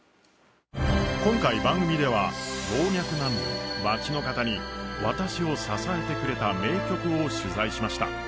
今回番組では老若男女、街の方に、私を支えてくれた名曲を取材しました。